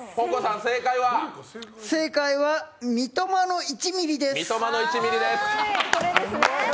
正解は、三笘の１ｍｍです。